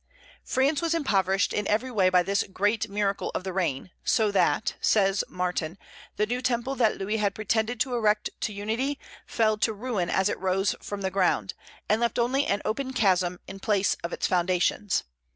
France was impoverished in every way by this "great miracle" of the reign; "so that," says Martin, "the new temple that Louis had pretended to erect to unity fell to ruin as it rose from the ground, and left only an open chasm in place of its foundations....